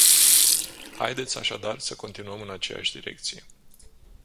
Haideți așadar să continuăm în aceeași direcție.